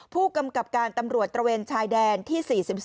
ผู้กำกับการตำรวจตระเวนชายแดนที่๔๒